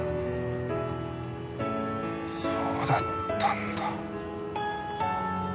そうだったんだ！